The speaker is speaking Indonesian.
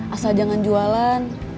asal jangan jualan